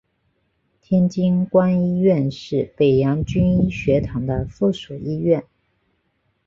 天津官医院是北洋军医学堂的附属医院。